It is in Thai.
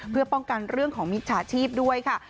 เพื่อป้องกันเรื่องของมิจฉาชีพด้วยค่ะ